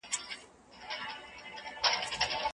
د طهارت او نظافت خيال ساتل ضروري دي.